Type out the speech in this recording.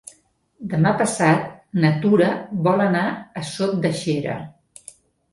Demà passat na Tura vol anar a Sot de Xera.